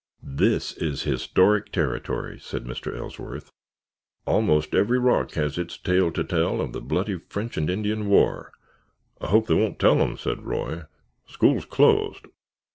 "This is historic territory," said Mr. Ellsworth. "Almost every rock has its tale to tell of the bloody French and Indian War——" "I hope they won't tell them," said Roy. "School's closed."